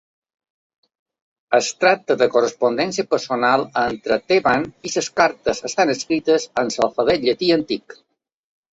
Es tracta de correspondència personal entre Theban i les cartes estan escrites en l"alfabet llatí antic.